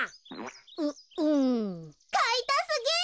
ううん。かいたすぎる！